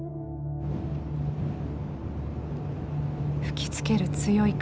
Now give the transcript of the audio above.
吹きつける強い風。